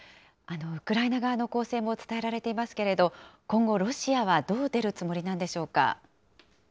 ウクライナ側の攻勢も伝えられていますけれども、今後、ロシアはどう出るつもりなんでしょうか。